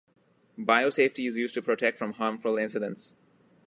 Biosafety is used to protect from harmful incidents.